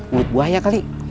mulut buaya kali